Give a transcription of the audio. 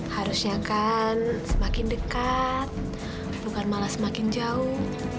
harusnya kan semakin dekat bukan malah semakin jauh